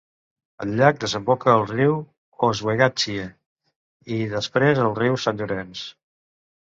El llac desemboca al riu Oswegatchie i després al riu Sant Llorenç.